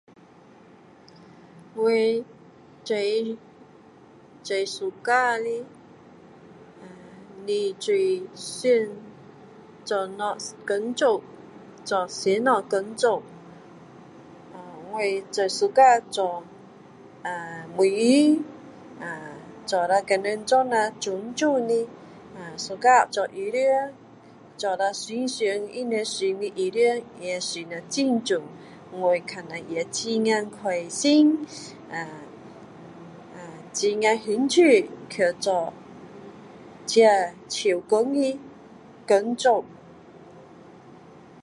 我最最喜欢的不是就是最兴趣想做什么工作做什么工作我最喜欢做美容把人打扮美美的衣服做了他们穿上的衣服做了也很美我看了也很开心啊很有兴趣去做这手工的工作